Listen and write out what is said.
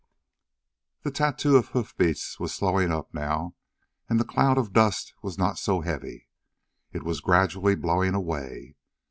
The tattoo of hoofbeats was slowing up now, and the cloud of dust was not so heavy. It was gradually blowing away.